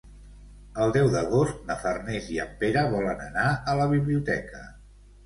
El deu d'agost na Farners i en Pere volen anar a la biblioteca.